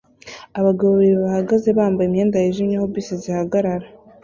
Abagabo babiri bahagaze bambaye imyenda yijimye aho bisi zihagarara